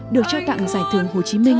được trao tặng giải thưởng hồ chí minh